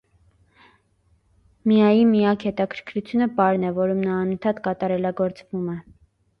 Միայի միակ հետաքրքրությունը պարն է, որում նա անընդհատ կատարելագործվում է։